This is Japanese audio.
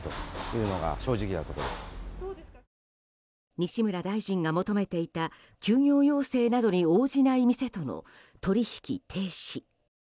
西村大臣が求めていた休業要請などに応じない店との取引停止。